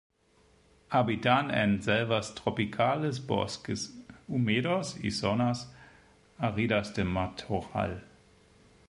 Habitan en selvas tropicales, bosques húmedos y zonas áridas de matorral.